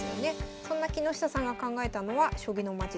そんな木下さんが考えたのは将棋のまち